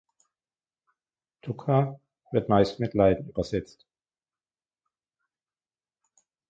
Dukkha wird meist mit „Leiden“ übersetzt.